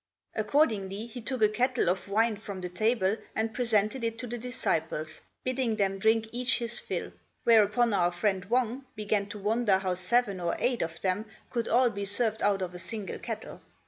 Accordingly he took a kettle of wine from the table and presented it to the disciples, bidding them drink each his fill; whereupon our friend Wang began to wonder how seven or eight of them could all be served out of a single kettle.